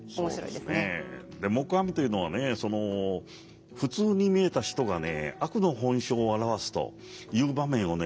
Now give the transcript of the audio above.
黙阿弥というのはね普通に見えた人がね悪の本性を現すという場面をね